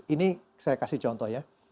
ini saya kasih contoh ya